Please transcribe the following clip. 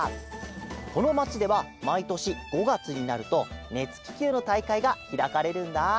このまちではまいとし５がつになるとねつききゅうのたいかいがひらかれるんだ。